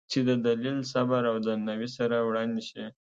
چې د دلیل، صبر او درناوي سره وړاندې شي،